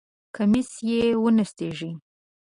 کمیس یې ونستېږی!